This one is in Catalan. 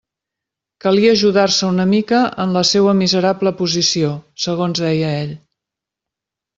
Calia ajudar-se una mica en la seua miserable posició, segons deia ell.